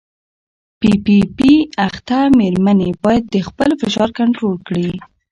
پي پي پي اخته مېرمنې باید خپل فشار کنټرول کړي.